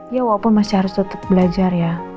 ya walaupun masih harus tetap belajar ya